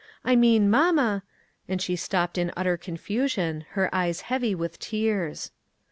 I mean mamma, "— And she stopped in ut ter confusion, her eyes heavy with tears.